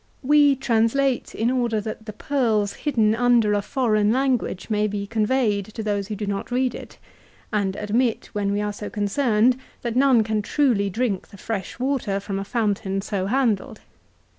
"We translate in order that the pearls hidden under a foreign language may be conveyed to those who do not read it, and admit when we are so concerned that none can truly drink the fresh water from a fountain so handled.